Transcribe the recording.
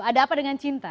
ada apa dengan cinta